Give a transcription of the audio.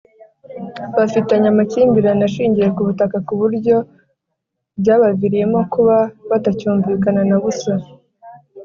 bafitanye amakimbirane ashingiye ku butaka ku buryo byabaviriyemo kuba batacyumvikana na busa.